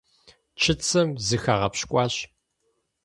Чыцэм зыхагъэпщкӀуащ.